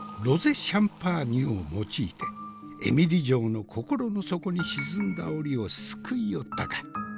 ロゼシャンパーニュを用いてえみり嬢の心の底に沈んだおりをすくいよったか。